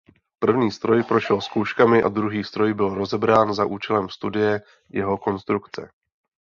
První stroj prošel zkouškami a druhý stroj byl rozebrán za účelem studie jeho konstrukce.